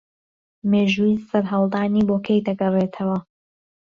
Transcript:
مێژووی سەرهەڵدانی بۆ کەی دەگەڕێتەوە